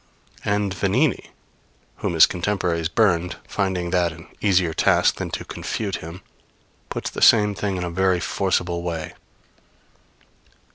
And Vanini whom his contemporaries burned, finding that an easier task than to confute him puts the same thing in a very forcible way.